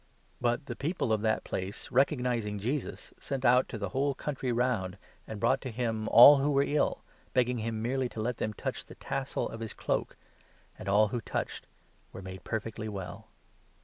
But the people of that place, recog 35 nizing Jesus, sent out to the whole country round, and brought to him all who were ill, begging him merely to let them touch 36 the tassel of his cloak ; and all who touched were made perfectly well.